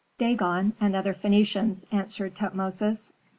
"Dagon and other Phœnicians," answered Tutmosis.